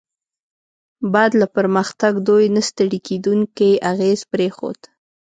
بعد له پرمختګ، دوی نه ستړي کیدونکی اغېز پرېښود.